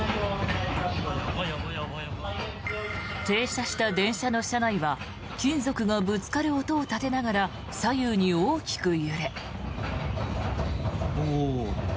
停車した電車の車内は金属がぶつかる音を立てながら左右に大きく揺れ。